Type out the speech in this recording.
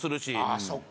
あそっか。